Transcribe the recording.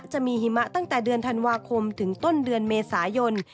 จะมีหิมะตั้งแต่เดือนธันวาคมถึงต้นเดือนเมษายน